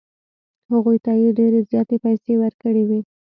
هغوی ته یې ډېرې زیاتې پیسې ورکړې وې.